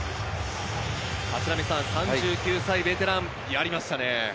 ３９歳ベテラン、やりましたね。